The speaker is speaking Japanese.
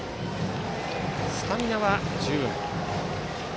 スタミナは十分。